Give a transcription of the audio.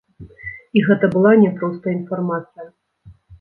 І гэта была не проста інфармацыя.